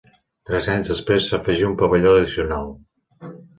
Tres anys després s'afegí un pavelló addicional.